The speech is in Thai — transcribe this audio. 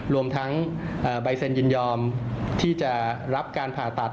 รวมทั้งใบเซ็นยินยอมที่จะรับการผ่าตัด